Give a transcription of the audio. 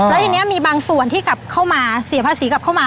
แล้วทีนี้มีบางส่วนที่กลับเข้ามาเสียภาษีกลับเข้ามา